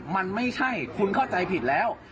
มันไม่ใช่คุณเข้าใจผิดแล้ว